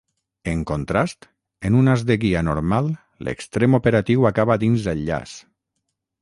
En contrast, en un as de guia normal l'extrem operatiu acaba dins el llaç.